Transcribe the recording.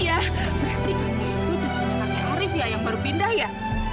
iya berarti kamu itu cucunya kakek arief ya yang baru pindah ya